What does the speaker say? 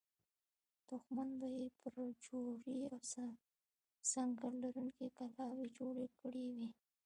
دښمن به یې برجورې او سنګر لرونکې کلاوې جوړې کړې وي.